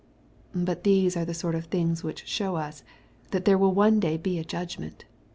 161 But these are the soit of things which show as, that there will one day be a judgment.